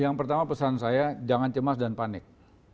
yang pertama pesan saya jangan cemas dan panik